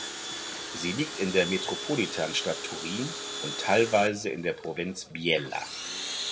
Sie liegt in der Metropolitanstadt Turin und teilweise in der Provinz Biella.